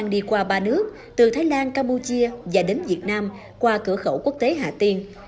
đi qua ba nước từ thái lan campuchia và đến việt nam qua cửa khẩu quốc tế hà tiên